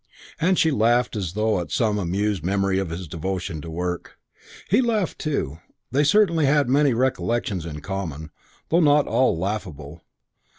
and she laughed as though at some amused memory of his devotion to work. He laughed too. They certainly had many recollections in common, though not all laughable.